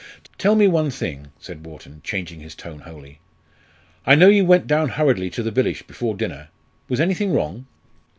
"Tell me one thing," said Wharton, changing his tone wholly. "I know you went down hurriedly to the village before dinner. Was anything wrong?"